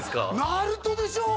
なるとでしょう